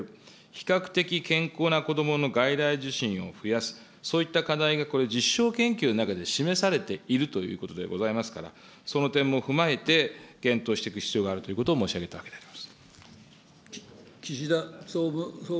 比較的健康な子どもの外来受診を増やす、そういった課題がこれ、実証研究の中で示されているということでございますから、その点も踏まえて、検討していく必要があるというふうに申し上げたわけであります。